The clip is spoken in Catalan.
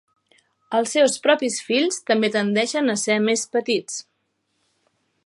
Els seus propis fills també tendeixen a ser més petits.